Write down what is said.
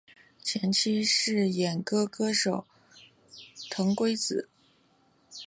前妻是演歌歌手藤圭子。